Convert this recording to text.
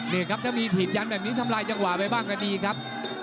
นี่ครับถ้ามีถีบยันแบบนี้ทำลายจังหวะไปบ้างก็ดีครับ